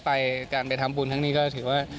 ไปการไปทำบุญครั้งนี้ก็ถือว่า